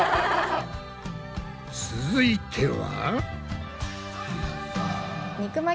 続いては？